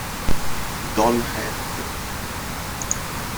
Don Head